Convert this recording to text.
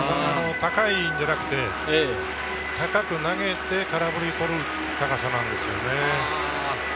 高いんじゃなくて、高く投げて空振りを取る高さなんですよね。